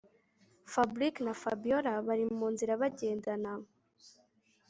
FABRIC na Fabiora bari munzira bagendaga